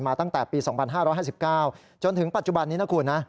ตั้งแต่ปี๒๕๕๙จนถึงปัจจุบันนี้นะคุณนะ